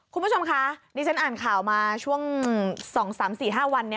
คุณผู้ชมคะดิฉันอ่านข่าวมาช่วง๒๓๔๕วันนี้